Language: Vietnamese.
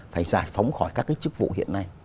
phải giải phóng khỏi các chức vụ hiện nay